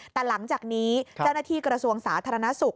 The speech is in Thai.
แต่หลังจากนี้เจ้าหน้าที่กระทรวงสาธารณสุข